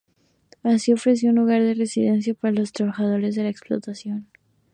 Así ofreció un lugar de residencia para los trabajadores de la explotación.